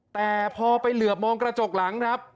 แต่พอไปเหลือบมองกระจกหลังครับ